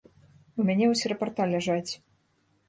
У мяне вось рапарта ляжаць.